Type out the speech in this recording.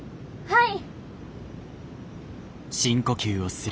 はい。